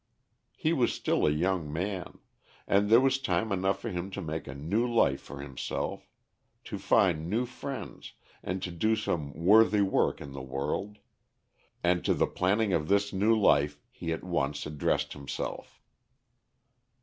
He was still a young man, and there was time enough for him to make a new life for himself to find new friends and to do some worthy work in the world; and to the planning of this new life he at once addressed himself.